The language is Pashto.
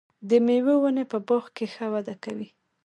د مېوو ونې په باغ کې ښه وده کوي.